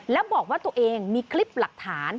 แล้วบอกว่าตัวเองมีคลิปหลักฐาน